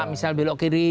misal belok kiri